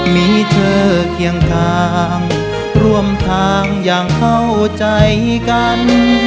มีเธอเคียงทางร่วมทางอย่างเข้าใจกัน